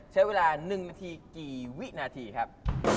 ใช้เวลา๑นาทีกี่วินาทีครับ